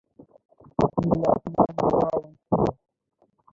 প্রাচীনকালে এখানে মহুয়া বন ছিল।